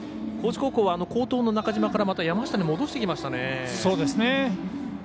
高知高校は好投の中嶋からまた山下に戻してきましたね。